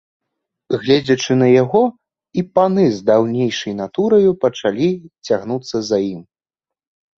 Гледзячы на яго, і паны з даўнейшай натураю пачалі цягнуцца за ім.